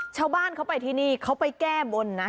ชาวบ้านเขาไปที่นี่เขาไปแก้บนนะ